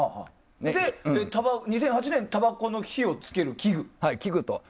それで、２００８年にたばこの火をつける器具と。